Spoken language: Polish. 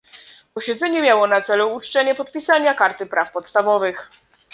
Posiedzenie miało na celu uczczenie podpisania karty praw podstawowych